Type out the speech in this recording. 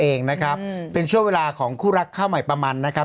สีวิต้ากับคุณกรนิดหนึ่งดีกว่านะครับแฟนแห่เชียร์หลังเห็นภาพ